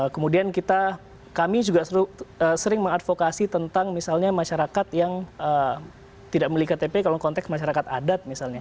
kemudian kami juga sering mengadvokasi tentang misalnya masyarakat yang tidak memiliki ktp kalau konteks masyarakat adat misalnya